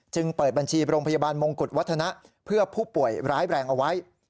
เปิดบัญชีโรงพยาบาลมงกุฎวัฒนะเพื่อผู้ป่วยร้ายแรงเอาไว้